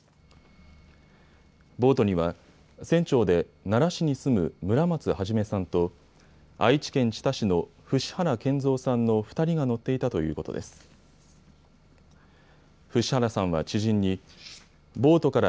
ボートには船長で奈良市に住む村松孟さんと愛知県知多市の伏原賢三さんの２人が乗っていたということです。